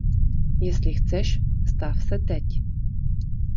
Jestli chceš, stav se teď.